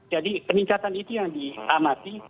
jadi peningkatan itu yang diamati